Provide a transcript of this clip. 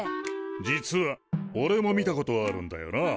実はおれも見たことあるんだよな。